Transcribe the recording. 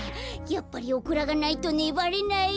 やっぱりオクラがないとねばれない。